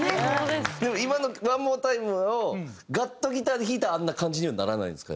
でも今の『Ｏｎｅｍｏｒｅｔｉｍｅ』をガットギターで弾いたらあんな感じにはならないんですか？